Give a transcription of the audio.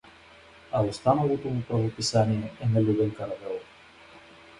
А останалото му правописание е на Любен Каравелов.